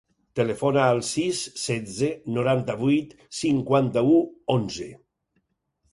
Telefona al sis, setze, noranta-vuit, cinquanta-u, onze.